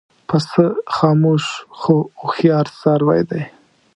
پسه خاموش خو هوښیار څاروی دی.